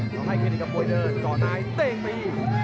แล้วให้เคลียร์กับมวยเดินกรรมนายเต้งไป